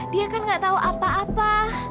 dia kan gak tau apa apa